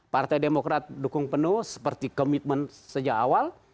partai demokrat dukung penuh seperti komitmen sejak awal